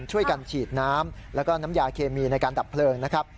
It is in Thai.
ช่วยกันฉีดน้ำแล้วก็น้ำยาเคมีในการดับเพลิงนะครับ